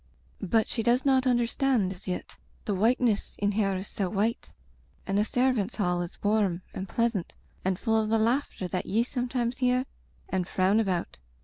" But she does not understand as yet, the whiteness in her is so white, and the ser vants' hall is warm and pleasant and full of the laughter that ye sometimes hear and frown about.